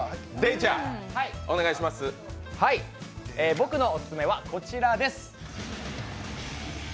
僕のオススメはこちらです。